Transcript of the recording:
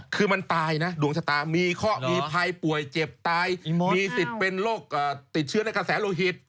คือมันตายนะดวงชะตามีข้อมีภัยป่วยเจ็บตายมีสิทธิ์เป็นโรคติดเชื้อในกระแสโลหิต